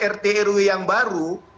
rtrw yang baru